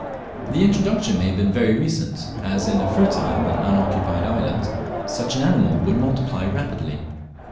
The introduction may have been very recent, as in a fertile and unoccupied island such an animal would multiply rapidly.